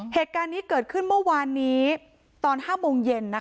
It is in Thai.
เหตุการณ์นี้เกิดขึ้นเมื่อวานนี้ตอน๕โมงเย็น